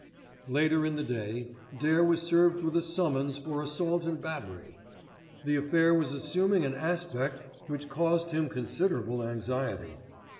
Later in the day Dare was served with a summons for assault and battery. The affair was assuming an aspect which caused him considerable anxiety.